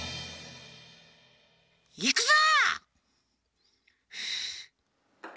いくぞ！